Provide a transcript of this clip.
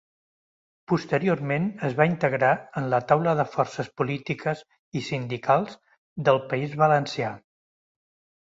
Posteriorment es va integrar en la Taula de Forces Polítiques i Sindicals del País Valencià.